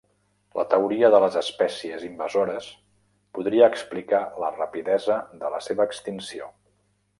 La teoria de les espècies invasores podria explicar la rapidesa de la seva extinció.